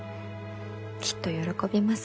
きっと喜びます。